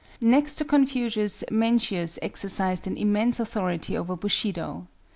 Next to Confucius, Mencius exercised an immense authority over Bushido.